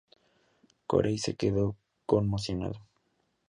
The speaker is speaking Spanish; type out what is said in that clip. Corey se quedó conmocionado.